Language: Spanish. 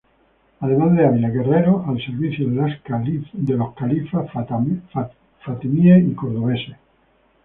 Además de hábiles guerreros al servicio de los califas fatimíes y cordobeses.